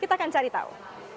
kita akan cari tahu